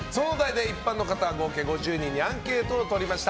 そのお題で、一般の方合計５０人にアンケートを取りました。